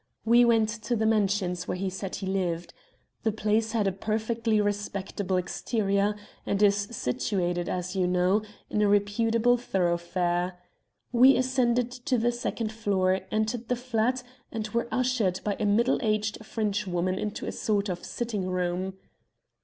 We went to the mansions where he said he lived. The place had a perfectly respectable exterior, and is situated, as you know, in a reputable thoroughfare. We ascended to the second floor, entered the flat, and were ushered by a middle aged Frenchwoman into a sort of sitting room.